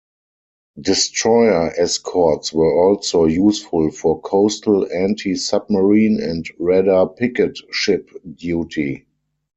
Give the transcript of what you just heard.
Destroyer escorts were also useful for coastal anti-submarine and radar picket ship duty.